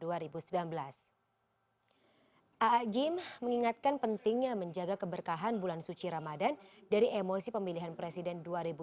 a'a gim mengingatkan pentingnya menjaga keberkahan bulan suci ramadan dari emosi pemilihan presiden dua ribu sembilan belas